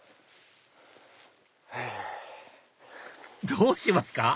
どうしますか？